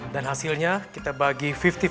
dan hasilnya kita bagi lima puluh lima puluh